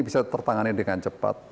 bisa tertangani dengan cepat